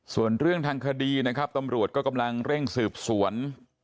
ส่วนเรื่องทางคดีนะครับตำรวจก็กำลังเร่งสืบสวน